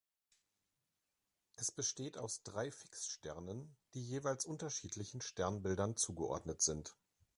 Es besteht aus drei Fixsternen, die jeweils unterschiedlichen Sternbildern zugeordnet sind.